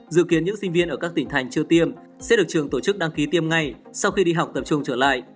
dự kiến những sinh viên ở các tỉnh thành chưa tiêm sẽ được trường tổ chức đăng ký tiêm ngay sau khi đi học tập trung trở lại